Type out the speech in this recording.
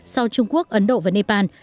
sau trung quốc ấn độ và nepal